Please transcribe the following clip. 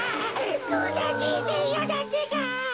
そんなじんせいいやだってか！